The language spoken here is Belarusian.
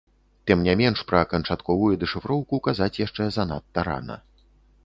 Тым не менш, пра канчатковую дэшыфроўку казаць яшчэ занадта рана.